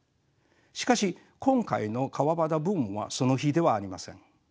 しかし今回の川端ブームはその比ではありません。